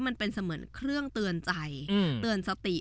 มันเป็นเสมือนเครื่องเตือนใจเตือนสติ